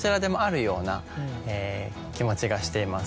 ような気持ちがしています。